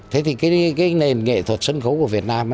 thế thì cái nền nghệ thuật sân khấu của việt nam